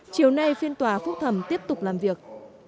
chiều nay phiên tòa phúc thẩm tiếp tục làm việc